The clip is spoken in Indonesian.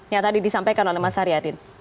yang tadi disampaikan oleh mas haryadin